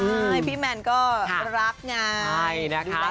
ใช่พี่แมนก็รักไง